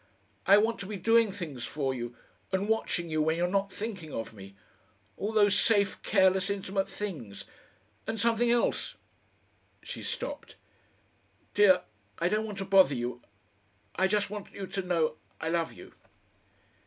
I want to be doing things for you, and watching you when you're not thinking of me. All those safe, careless, intimate things. And something else " She stopped. "Dear, I don't want to bother you. I just want you to know I love you...."